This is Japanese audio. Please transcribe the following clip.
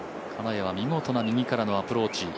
金谷は見事な右からのアプローチ。